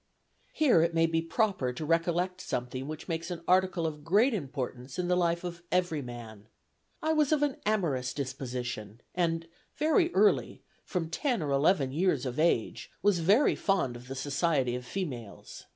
"Here it may be proper to recollect something which makes an article of great importance in the life of every man. I was of an amorous disposition, and, very early, from ten or eleven years of age, was very fond of the society of females.